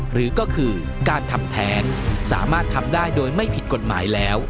หรือก็คือการทำแท้งสามารถทำได้โดยไม่ผิดกฎหมายแล้ว